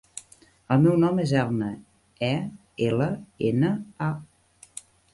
El meu nom és Elna: e, ela, ena, a.